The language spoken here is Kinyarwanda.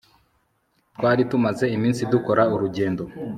twari tumaze iminsi dukora urugendo